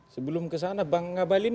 sebelum kesana bang ngabalin